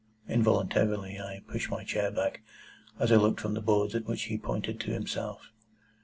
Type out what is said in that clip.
Involuntarily I pushed my chair back, as I looked from the boards at which he pointed to himself.